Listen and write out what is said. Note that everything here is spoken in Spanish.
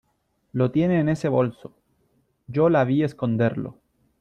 lo tiene en ese bolso , yo la vi esconderlo .